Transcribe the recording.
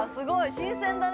新鮮だね。